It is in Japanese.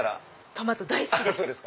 トマト大好きです！